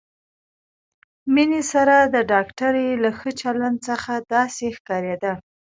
مينې سره د ډاکټرې له ښه چلند څخه داسې ښکارېده.